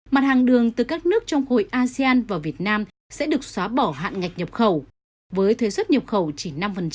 mặt hàng đường từ các nước trong hội asean vào việt nam sẽ được xóa bỏ hạn ngạch nhập khẩu với thuế xuất nhập khẩu chỉ năm